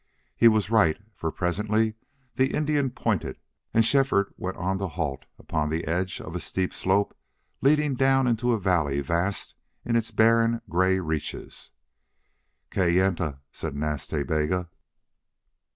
He was right, for presently the Indian pointed, and Shefford went on to halt upon the edge of a steep slope leading down into a valley vast in its barren gray reaches. "Kayenta," said Nas Ta Bega.